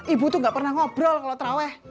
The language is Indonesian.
ibu tuh gak pernah ngobrol kalau terawih